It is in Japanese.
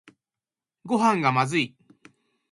ごはんがまずい